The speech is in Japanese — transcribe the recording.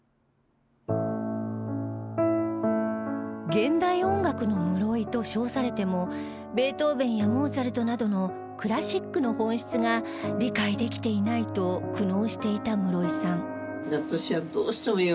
現代音楽の室井と称されてもベートーヴェンやモーツァルトなどのクラシックの本質が理解できていないと苦悩していた室井さん